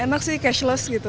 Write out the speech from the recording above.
enak sih cashless gitu